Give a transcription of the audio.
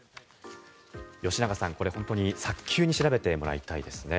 吉永さん、本当に早急に調べてもらいたいですね。